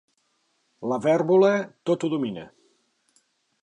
La vèrbola tot ho domina.